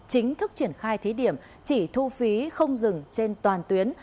chính thức triển khai thí điểm chỉ thu phí không dừng trên toàn tuyến